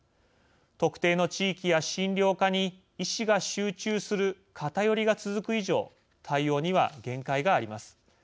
特定の地域や診療科に医師が集中する偏りが続く以上対応には限界があります。